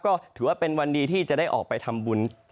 ก็ถือว่าเป็นวันดีที่จะได้ออกไปทำบุญ